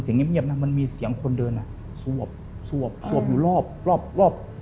เสียงเงียบมันมีเสียงคนเดินสวบสวบสวบอยู่รอบรอบรอบ